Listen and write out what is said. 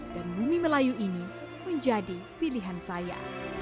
dan bumi melayu ini menjadi pilihan saya